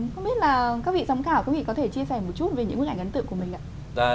không biết là các vị giám khảo quý vị có thể chia sẻ một chút về những bức ảnh ấn tượng của mình ạ